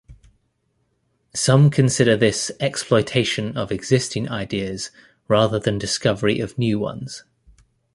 Some consider this exploitation of existing ideas rather than discovery of new ones.